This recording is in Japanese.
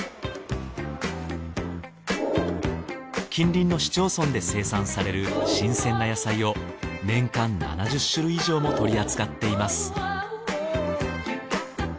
近隣の市町村で生産される新鮮な野菜を年間７０種類以上も取り扱っています